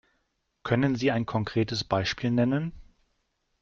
Können Sie ein konkretes Beispiel nennen?